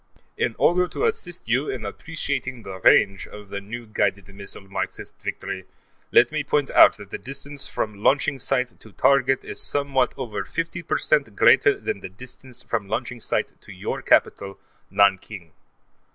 In order to assist you in appreciating the range of the new guided missile Marxist Victory, let me point out that the distance from launching site to target is somewhat over 50 percent greater than the distance from launching site to your capital, Nanking.